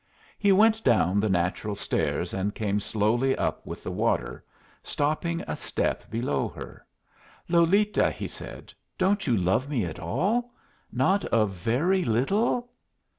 He went down the natural stairs and came slowly up with the water, stopping a step below her. "Lolita," he said, "don't you love me at all? not a very little?"